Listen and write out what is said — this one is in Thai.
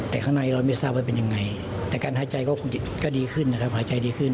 แต่ข้างในเราไม่ทราบว่าเป็นยังไงแต่การหายใจก็คงก็ดีขึ้นนะครับหายใจดีขึ้น